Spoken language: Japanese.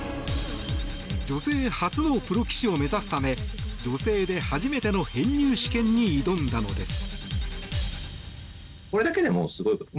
女性初のプロ棋士を目指すため女性で初めての編入試験に挑んだのです。